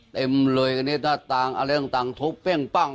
เต็มเลยกันเนี้ยหน้าตาลอะไรต่างต่างทบเป้งปั้ง